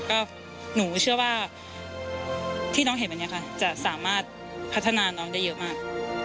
ก็หนูเชื่อว่าที่น้องเห็นวันนี้ค่ะจะสามารถพัฒนาน้องได้เยอะมาก